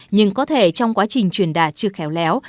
nhưng có thể trong quá trình truyền đạt chưa khéo léo